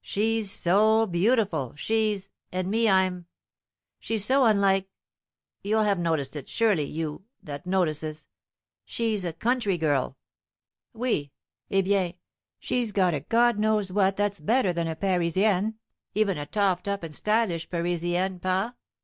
"She's so beautiful, she's and me I'm she's so unlike you'll have noticed it, surely, you that notices she's a country girl, oui; eh bien, she's got a God knows what that's better than a Parisienne, even a toffed up and stylish Parisienne, pas?